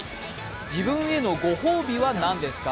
自分へのご褒美は何ですか？